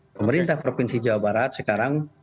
pemerintah provinsi jawa barat sekarang